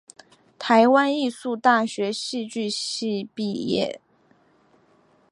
台湾艺术大学戏剧系毕业。